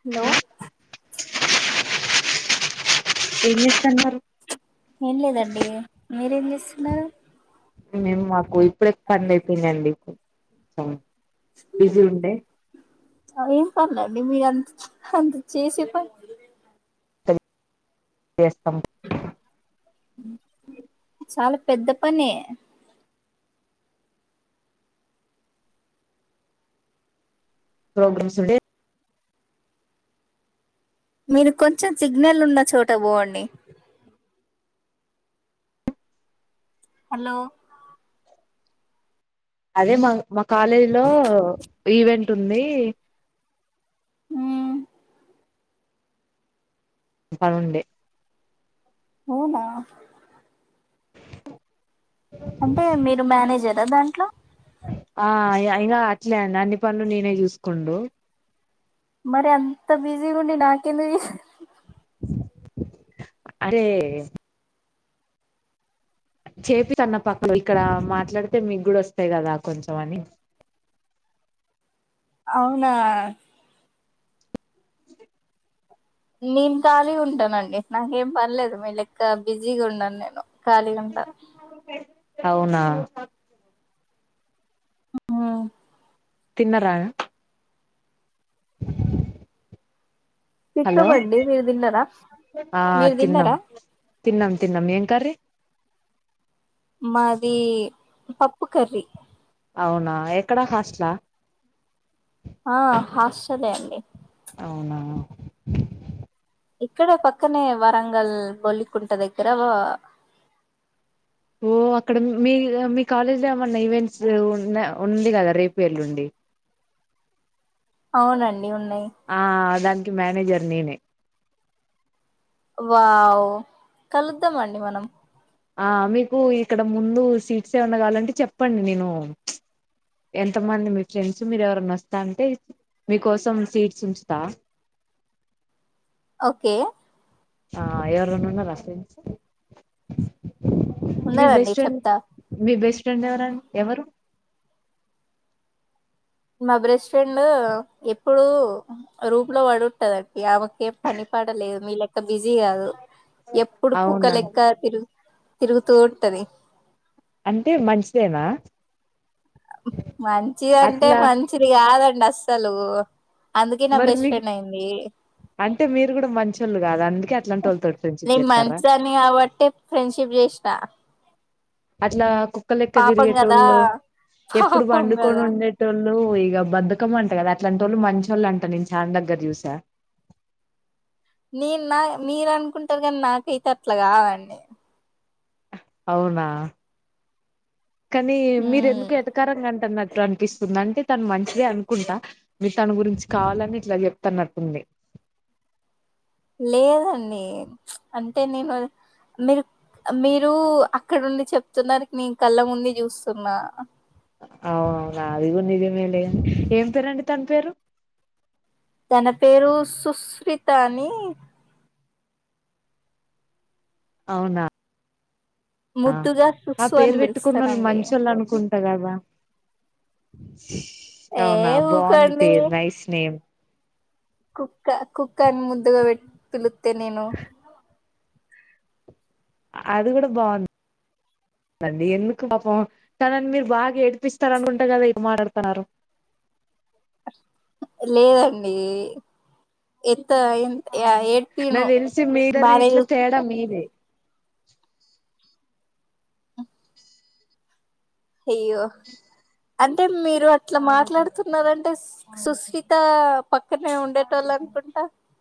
Hello ఏంజేస్తన్నరు ఏం లేదండి మీరేం జేస్తున్నారు మేము మాకు ఇప్పుడే పన్లయ్యిపోయినయండి బిజీ ఉండే అవేం పనులండి మీరంత అంత చేసే ప జేస్తాం చాలా పెద్ద పనే ప్రోగ్రామ్స్ఉండే మీరు కొంచెం సిగ్నల్ ఉన్న చోట బోవండి హలో అదే మా మా కాలేజీ లో ఈవెంట్ ఉంది ఉమ్ పనుండే అవునా అంటే మీరు మానేజరా దాంట్లో ఆ అయి ఇయినా అట్లే అండి అన్ని పనులు నేనే చూసుకుండు మరి అంత బిజీ గుండి నాకేందుక్ అరే చేపిత్తాన్న పక్కన ఇక్కడ మాట్లాడితే మీగ్గు డోస్తయి గదా కొంచెం అని అవునా నేను ఖాళీగుంటనండి నాకేం పనిలేదు మీ లెక్క బిజీగా ఉండను నేను. ఖాళీగుంట అవునా హ తిన్నర హలో తిట్టమండి మీరు తిన్నారా ఆ మీరు తిన్నాం తిన్నారా తిన్నాం తిన్నాం ఏం కీ మాది పప్పు కర్రీ అవునా ఎక్కడా హాస్టలా ఆ హాస్టలె అండి అవునా ఇక్కడే పక్కనే వరంగల్ బొల్లికుంట దగ్గర వా ఓ అక్కడ మీ మీ కాలేజ్ లో ఏమన్నా ఈవెంట్స్ ఉన్న ఉంది కదా రేపు ఎల్లుండి అవునండి ఉన్నాయి ఆ దానికి మేనేజర్ నేనే వావ్ కలుద్దామండి మనం ఆ మీకు ఇక్కడ ముందు సీట్స్ ఏమండగాలంటే చెప్పండి నేను ఎంతమంది మీ ఫ్రెండ్స్ మీరు ఎవరినా వస్తా అంటే మీకోసం సీట్స్ ఉంచుతా ఓకే ఆ ఎవరన్న ఉన్నారా అండి మీ ఉన్నారండి బెస్ట్ ఫ్రెండ్ చెప్తా మీ బెస్ట్ ఫ్రెండ్ ఎవరం ఎవరు మా బ్రేస్ ఫ్రెండ్ ఎప్పుడు రూమ్లో పడుంటదండి ఆమెకెంపని పడలేదు మీ లెక్క బిజీ కాదు ఎప్పుడు కుక్క అవునా లెక్క తిరుగు తిరుగుతూ ఉంటది అంటే మంచిదేనా మంచిదంటే అట్లా మంచిది కాదండి అస్సలు అందుకే నా మరి బెస్ట్ మీకు ఫ్రెండ్ అయింది అంటే మీరు కూడా మంచోళ్ళు కాదు అందుకే అట్లాంటి వాళ్ళతోడు ఫ్రెండ్ చెప్ నేను చెప్తారా ఇష్టా అట్లా కుక్క లేక్క కదా తిరిగేటోళ్ళు ఎప్పుడు పాపం పండుకొని కదా ఉండేటోళ్ళు ఈ గ బధకం అంట కదా అట్లాంటోళ్ళు మంచోళ్ళంట నేను చాన్ దగ్గర చూసా నీ నా మీరు అనుకుంటారు కానీ నాకైతే అట్లా కదండి అవునా కానీ మీరు ఉమ్ ఎందుకు ఎతకారంగా అంటారున్నకు ట్లనిపిస్తుంది అంటే తను మంచిద అనుకుంటా మీరు తన గురించి కావాలని ఇట్లా చెప్తానట్టుంది లేదండి అంటే మేమా మీరు మీరు అక్కడండి చెప్తున్నారు నేను కళ్ళ ముందే చూస్తున్నా అవున ఆది కూడా నిజమేలే ఏం పేరండి తన పేరు తన పేరు సుస్మిత అని అవునా ఆ ముద్దుగా ఆ సుస్సు పేరు అని పెట్టుకున్నోళ్లు పిలుస్తానండి మంచోళ్ళు అనుకుం దారావా ఏ అవునా బాగుంది ఊకండి పేరు నైస్ నేమ్ కుక్క కుక్కాని ముద్దుగా బట్ పిలుత్తే నేను అది కూడా బాగుంది అంీ ఎందుకు పాపం తనని మీరు బాగా ఏడిపిస్తారు అనుకుంటే కదా ఏం మాట్లాడుతున్నారు లేదండి ఎంత నా తెలిసి మీర రీట్లో తేడా చూసుకుంటా మీరే ఇయ్యో అంటే మీరు అట్లా మాట్లాడుతున్నారంటే సుష్మిత పక్కనే ఉండేతోళ్లను కొట్ట